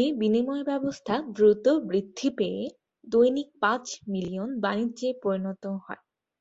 এ বিনিময় ব্যবস্থা দ্রুত বৃদ্ধি পেয়ে দৈনিক পাঁচ মিলিয়ন বাণিজ্যে পরিণত হয়।